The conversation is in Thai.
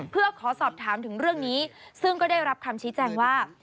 เพื่อขอสอบถามถึงเรื่องนี้ซึ่งก็ได้รับคำชี้แจงว่า